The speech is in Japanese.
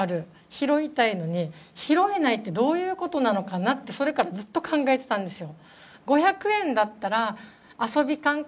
拾いたいのに拾えないってどういう事なのかなってそれからずっと考えていたんですよ。